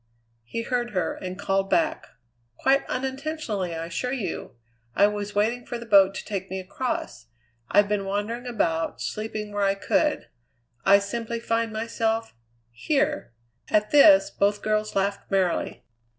He heard her, and called back: "Quite unintentionally, I assure you. I was waiting for the boat to take me across. I've been wandering about, sleeping where I could. I simply find myself here!" At this both girls laughed merrily.